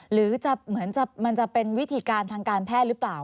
หรือจะเหมือนมันจะเป็นวิธีการทางการแพทย์หรือเปล่า